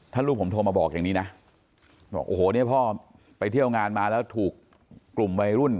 ถ้าลูกผมโทรมาบอกอย่างนี้นะบอกโอ้โหเนี่ยพ่อไปเที่ยวงานมาแล้วถูกกลุ่มวัยรุ่น